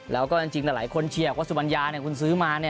แล้วก็จริงแต่หลายคนเชียร์ว่าสุบัญญาคุณซื้อมา